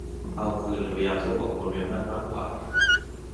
เอาคืนหรือพยายามสู้กับคนมีอำนาจมากกว่า